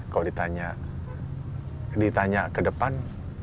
kalau ditanya ke depan